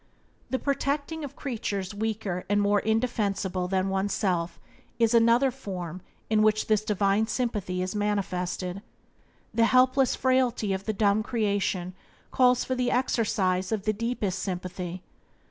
The protecting of creatures weaker and more indefensible than oneself is another form in which this divine sympathy is manifested. The helpless frailty of the dumb creation calls for the exercise of the deepest sympathy.